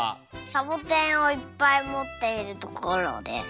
サボテンをいっぱいもっているところです。